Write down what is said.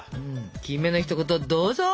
キメのひと言どうぞ。